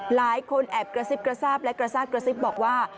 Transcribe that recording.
หลายคนแอบกระซิบกระซาบและกระซากกระซิบบอกว่า